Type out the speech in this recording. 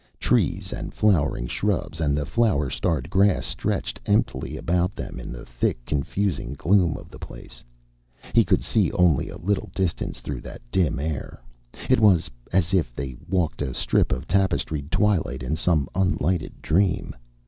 Trees and flowering shrubs and the flower starred grass stretched emptily about them in the thick, confusing gloom of the place. He could see only a little distance through that dim air. It was as if they walked a strip of tapestried twilight in some unlighted dream.